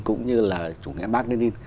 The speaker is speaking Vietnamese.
cũng như là chủ nghĩa bác nên